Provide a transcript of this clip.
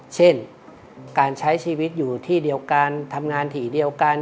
เช่นการใช้ชีวิตอยู่ที่เดียวกันทำงานที่เดียวกัน